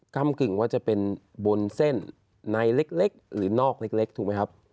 กำกึ่งว่าจะเป็นบนเส้นในเล็กหรือนอกเล็กถูกไหมครับ